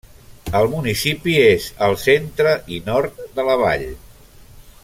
El municipi és al centre i nord de la vall.